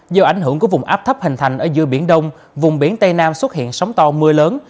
do ảnh hưởng của vùng áp thấp hình thành ở giữa biển đông vùng biển tây nam xuất hiện sóng to mưa lớn